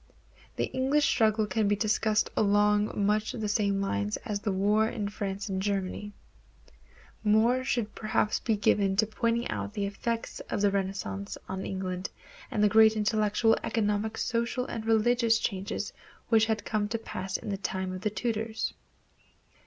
The English struggle can be discussed along much the same lines as the wars in France and Germany. More time should perhaps be given to pointing out the effects of the Renaissance on England and the great intellectual, economic, social, and religious changes which had come to pass in the time of the Tudors.